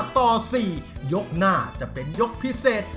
ต่อ๔ยกหน้าจะเป็นยกพิเศษ